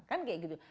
kan kayak gitu